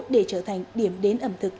để trở thành điểm đến ẩm thực